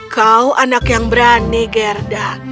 kau anak yang berani gerda